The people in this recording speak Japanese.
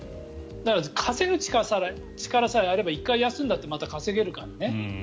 稼ぐ力さえあれば１回休んだってまた稼げるからね。